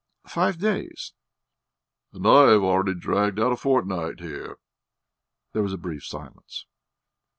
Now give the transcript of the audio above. "Five days." "And I have already dragged out a fortnight here." There was a brief silence.